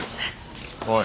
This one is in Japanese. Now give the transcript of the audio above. おい。